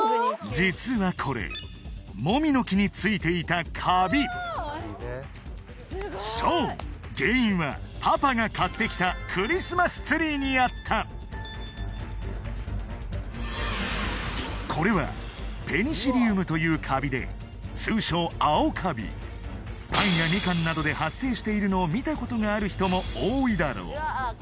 実はこれもみの木についていたカビそう原因はパパが買ってきたクリスマスツリーにあったこれはペニシリウムというカビで通称アオカビパンやみかんなどで発生しているのを見たことがある人も多いだろう